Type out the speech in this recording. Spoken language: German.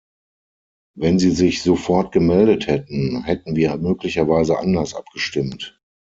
Wenn Sie sich sofort gemeldet hätten, hätten wir möglicherweise anders abgestimmt.